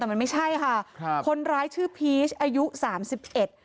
แต่มันไม่ใช่ค่ะครับคนร้ายชื่อพีชอายุสามสิบเอ็ด